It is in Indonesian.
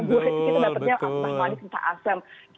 buah itu dapatnya apa malah kita asem